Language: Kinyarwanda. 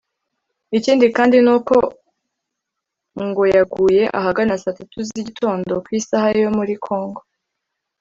Ikindi kandi ni uko ngo yaguye ahagana saa tatu z’igitondo ku isaha yo muri Congo